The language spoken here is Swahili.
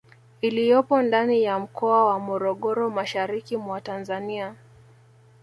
Iliyopo ndani ya Mkoa wa Morogoro mashariki mwa Tanzania